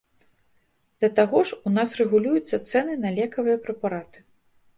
Да таго ж, у нас рэгулююцца цэны на лекавыя прэпараты.